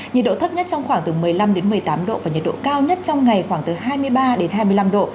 nhiệt độ thấp nhất trong khoảng từ một mươi năm một mươi tám độ và nhiệt độ cao nhất trong ngày khoảng từ hai mươi ba hai mươi năm độ